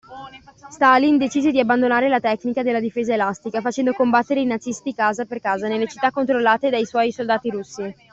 Stalin decise di abbandonare la tecnica della difesa elastica facendo combattere i nazisti casa per casa nelle città controllate dai suoi soldati russi.